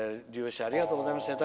ありがとうございます。